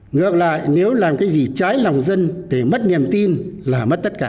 ngược lại nếu làm cái gì trái lòng dân thì mất niềm tin là mất tất cả